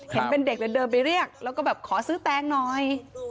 เห็นเป็นเด็กเลยเดินไปเรียกแล้วก็แบบขอซื้อแตงหน่อย